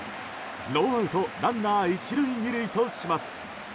ノーアウトランナー１塁２塁とします。